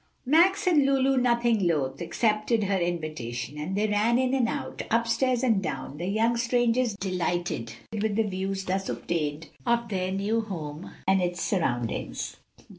Max and Lulu, nothing loath, accepted her invitation, and they ran in and out, up stairs and down, the young strangers delighted with the views thus obtained of their new home and its surroundings.